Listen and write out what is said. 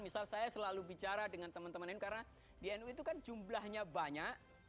misal saya selalu bicara dengan teman teman nu karena di nu itu kan jumlahnya banyak